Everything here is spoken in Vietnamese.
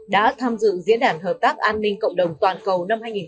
đã tham dự diễn đàn hợp tác an ninh cộng đồng toàn cầu năm hai nghìn hai mươi ba